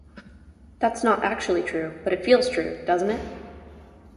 That's not actually true, but it feels true, doesn't it?